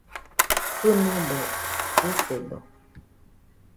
Kɨnedo, usedo